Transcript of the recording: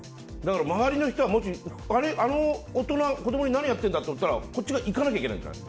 周りの人はあの大人、子供に何やっているんだと思ったらこっちが行かなきゃいけないじゃない。